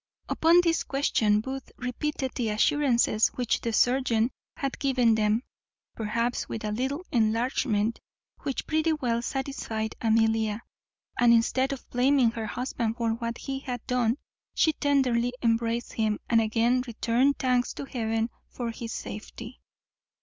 Upon this question, Booth repeated the assurances which the surgeon had given them, perhaps with a little enlargement, which pretty well satisfied Amelia; and instead of blaming her husband for what he had done, she tenderly embraced him, and again returned thanks to Heaven for his safety.